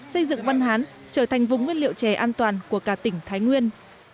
xây dựng văn hán trở thành vùng nguyên liệu chè an toàn của cả tỉnh thái nguyên